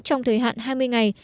trong thời hạn hai mươi ngày